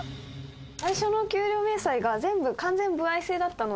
最初の給与明細が全部。